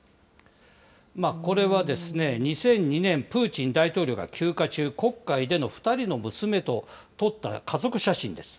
これは２００２年、プーチン大統領が休暇中、黒海での２人の娘と撮った家族写真です。